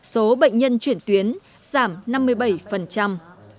số bệnh nhân chuyển tuyến giảm năm mươi bảy